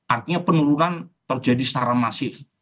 artinya penurunan terjadi secara masif